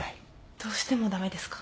どうしても駄目ですか？